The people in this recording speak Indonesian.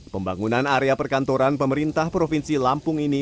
pembangunan area perkantoran pemerintah provinsi lampung ini